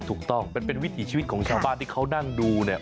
ถูกต้องมันเป็นวิถีชีวิตของชาวบ้านที่เขานั่งดูเนี่ย